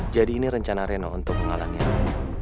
jadi ini rencana reno untuk mengalahin aku